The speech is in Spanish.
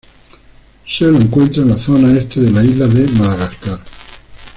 Se lo encuentra en la zona este de la isla de Madagascar.